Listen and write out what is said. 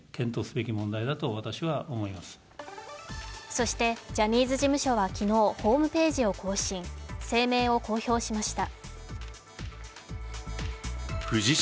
そしてジャニーズ事務所は昨日、ホームページを更新、声明を公表しました。